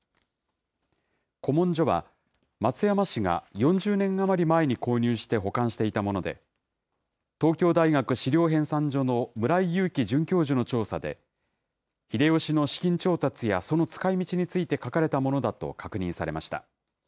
古文書は、松山市が４０年余り前に購入して保管していたもので、東京大学史料編纂所の村井祐樹准教授の調査で、秀吉の資金調達やその使いみちについて書かれたものだと確認されました。